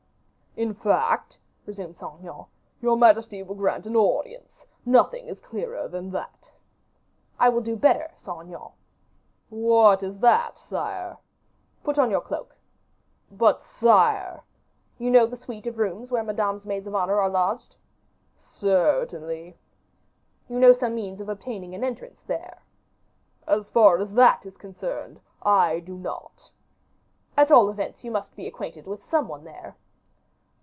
"In fact," resumed Saint Aignan, "your majesty will grant an audience; nothing is clearer than that." "I will do better, Saint Aignan." "What is that, sire?" "Put on your cloak." "But, sire " "You know the suite of rooms where Madame's maids of honor are lodged?" "Certainly." "You know some means of obtaining an entrance there." "As far as that is concerned, I do not." "At all events, you must be acquainted with some one there."